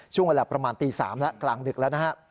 ช่วงเวลาประมาณตี๓แล้วกลางดึกแล้วนะฮะ